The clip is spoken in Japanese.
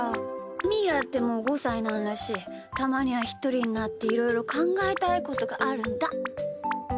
みーだってもう５さいなんだしたまにはひとりになっていろいろかんがえたいことがあるんだ。